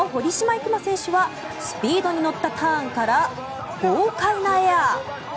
行真選手はスピードに乗ったターンから豪快なエア。